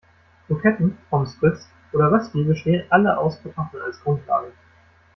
Kroketten, Pommes frites oder Rösti bestehen alle aus Kartoffeln als Grundlage.